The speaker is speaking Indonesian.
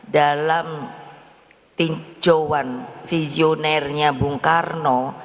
dalam tinjauan visionernya bung karno